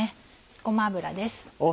ごま油です。